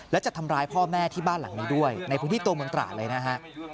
และจะทำร้ายพ่อแม่ที่บ้านหลังนี้ด้วยในพื้นที่ตัวเมืองตราดเลยนะฮะ